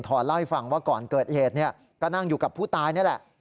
เล่าให้ฟังว่าก่อนเกิดเหตุก็นั่งอยู่กับผู้ตายนี่แหละ